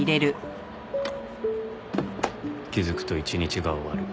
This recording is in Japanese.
気づくと一日が終わる。